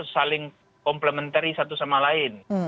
saling komplementari satu sama lain